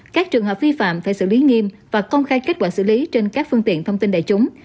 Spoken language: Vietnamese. các trường hợp vi phạm phải xử lý nghiêm và công khai kết quả xử lý trên các phương tiện thông tin đại chúng